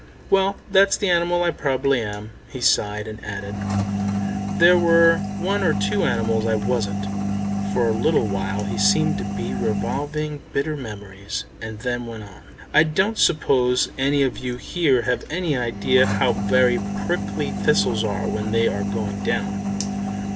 "Well, that's the animal I probably am." He sighed and added, "There were one or two animals I wasn't." For a little while he seemed to be revolving bitter memories, and then went on, "I don't suppose any of you here have any idea how very prickly thistles are when they are going down.